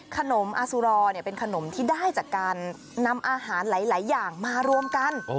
ขนมอสุรอเป็นขนมที่ได้จากการนำอาหารหลายอย่างมารวมกัน